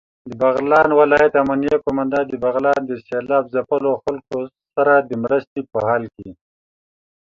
دبغلان ولايت امنيه قوماندان دبغلان د سېلاب ځپلو خلکو سره دمرستې په حال کې